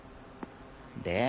で？